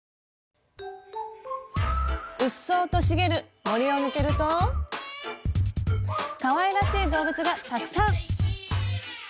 うっそうと茂る森を抜けるとかわいらしい動物がたくさん！